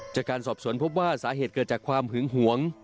จากการสอบสวนพบว่าสาเหตุเกิดจากความหึงหวง